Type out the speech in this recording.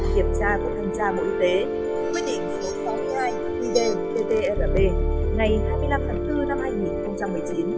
kiểm tra của tham gia mẫu y tế quy định số sáu mươi hai quy đề ttrp ngày hai mươi năm tháng bốn năm hai nghìn một mươi chín